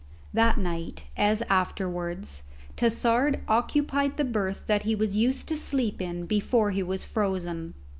That night, as afterwards, Tassard occupied the berth that he was used to sleep in before he was frozen.